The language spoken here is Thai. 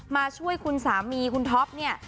มาช่วยคุณสามีคุณท็อปเนี่ย